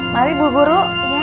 mari bu guru